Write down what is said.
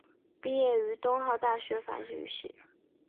毕业于东吴大学法律系。